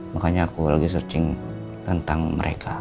makanya aku lagi searching tentang mereka